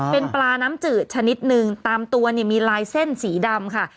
เป็นปลาน้ำจืดชนิดนึงตามตัวเนี่ยมีลายเส้นสีดำค่ะ